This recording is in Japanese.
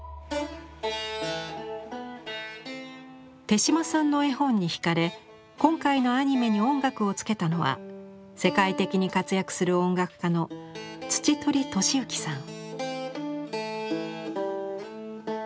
手島さんの絵本に惹かれ今回のアニメに音楽をつけたのは世界的に活躍する音楽家の土取利行さん。